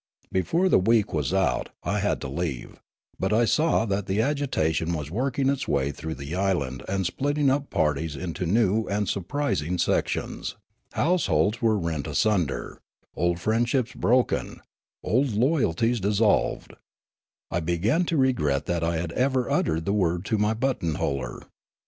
Before the week was out, I had to leave ; but I saw that the agitation was working its way through the island and splitting up parties into new and surprising sections ; households were rent asunder, old friend ships broken, old loyalties dissolved; I began to regret that I had ever uttered the word to my buttonholer.